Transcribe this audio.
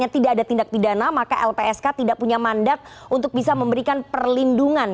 tidak ada tindak pidana maka lpsk tidak punya mandat untuk bisa memberikan perlindungan